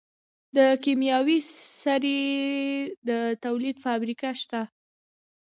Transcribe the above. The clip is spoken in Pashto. د کیمیاوي سرې د تولید فابریکه شته.